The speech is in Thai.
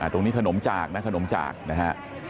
ตรงนี้ขนมจากนะขนมจากนะฮะ